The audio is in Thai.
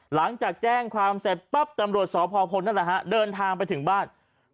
หลังจากแจ้งความเสร็จปั๊บตำรวจสพพลนั่นแหละฮะเดินทางไปถึงบ้าน